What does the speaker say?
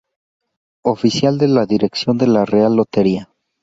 Oficial de la Dirección de la Real Lotería.